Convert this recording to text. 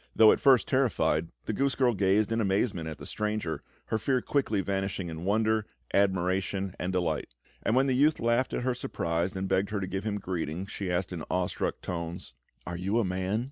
Though at first terrified, the goose girl gazed in amazement at the stranger, her fear quickly vanishing in wonder, admiration, and delight; and when the youth laughed at her surprise and begged her to give him greeting, she asked in awestruck tones: "Are you a man?"